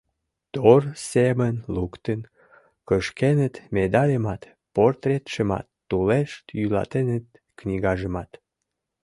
— Тор семын луктын кышкеныт медальымат, портретшымат, тулеш йӱлатеныт книгажымат...